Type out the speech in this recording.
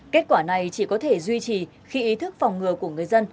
kết quả này chỉ có thể duy trì khi ý thức phòng ngừa của người dân